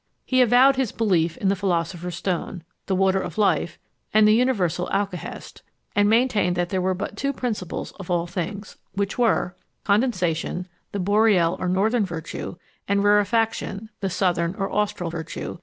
He avowed his belief in the philosopher's stone, the water of life, and the universal alkahest; and maintained that there were but two principles of all things, which were, condensation, the boreal or northern virtue; and rarefaction, the southern or austral virtue.